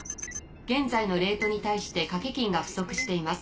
現在のレートに対して賭け金が不足しています。